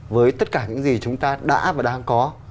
với tất cả những gì chúng ta đã và đang có